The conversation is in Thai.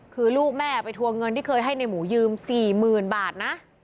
คือลูกแม่ไปทวงเงินที่เคยให้ในหมูยืม๔๐๐๐บาทนะ